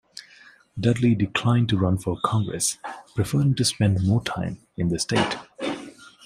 Dudley declined to run for Congress, preferring to spend more time in the state.